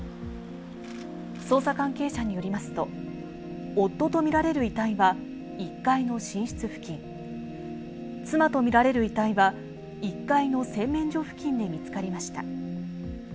捜査関係者によりますと、夫と見られる遺体は１階の寝室付近、妻と見られる遺体は、１階の洗面所付近で見つかりました。